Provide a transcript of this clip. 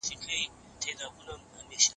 پنځه زره سرتیري د گندمک پر لور واستول شول